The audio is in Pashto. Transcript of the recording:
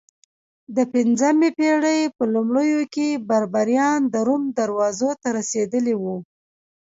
د پنځمې پېړۍ په لومړیو کې بربریان د روم دروازو ته رسېدلي وو